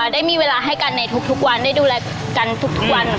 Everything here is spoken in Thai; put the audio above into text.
ได้มีเวลาให้กันในทุกวันได้ดูแลกันทุกวัน